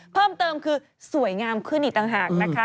เพิ่มเติมคือสวยงามขึ้นอีกต่างหากนะคะ